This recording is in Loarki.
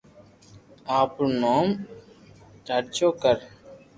آپري نوم چرچو ڪر